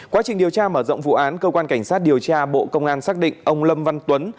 quá trình điều tra mở rộng vụ án cơ quan cảnh sát điều tra bộ công an xác định ông lâm văn tuấn